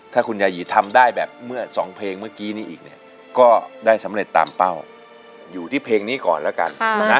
ถ้าคุณยายีทำได้แบบเมื่อสองเพลงเมื่อกี้นี้อีกเนี่ยก็ได้สำเร็จตามเป้าอยู่ที่เพลงนี้ก่อนแล้วกันนะฮะ